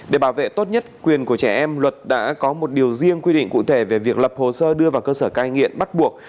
để bảo vệ tốt nhất quyền của trẻ em luật đã có một điều riêng quy định cụ thể về việc lập hồ sơ đưa vào cơ sở cai nghiện bắt buộc